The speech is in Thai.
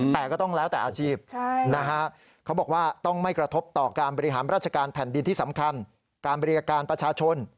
แต่ก็ต้องแล้วแต่อาชีพเขาบอกว่าต้องไม่กระทบต่อการบริหารราชการแผ่นดินที่สำคัญการบริการประชาชน